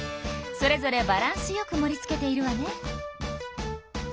それぞれバランスよくもりつけているわね。